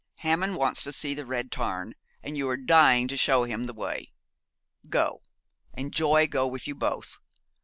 Hammond wants to see the Red Tarn, and you are dying to show him the way. Go, and joy go with you both.